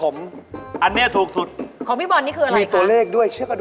ไม้พี่แพง